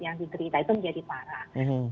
yang diderita itu menjadi parah